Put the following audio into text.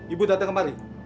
ibu datang kemari